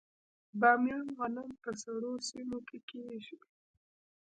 د بامیان غنم په سړو سیمو کې کیږي.